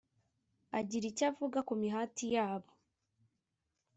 agira icyo avuga ku mihati yabo